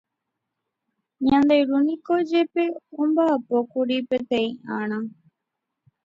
Ñande Ru niko jepe omba'apókuri poteĩ ára.